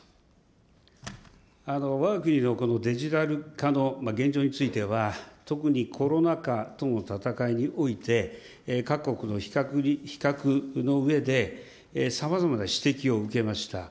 わが国のこのデジタル化の現状については、特にコロナ禍との闘いにおいて、各国の、比較のうえで、さまざまな指摘を受けました。